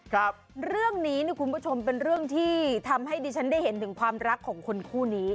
ครับเรื่องนี้เนี่ยคุณผู้ชมเป็นเรื่องที่ทำให้ดิฉันได้เห็นถึงความรักของคนคู่นี้